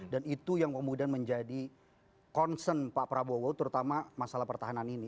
dan itu yang kemudian menjadi concern pak prabowo terutama masalah pertahanan ini